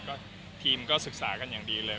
ก็ทีมก็ศึกษากันอย่างดีเลย